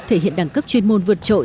thể hiện đẳng cấp chuyên môn vượt trội